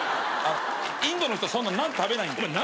インドの人そんなナン食べないんで。